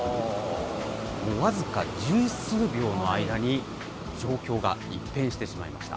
僅か十数秒の間に状況が一変してしまいました。